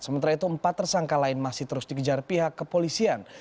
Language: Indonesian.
sementara itu empat tersangka lain masih terus dikejar pihak kepolisian